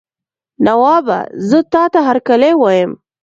نوابه زه تاته هرکلی وایم.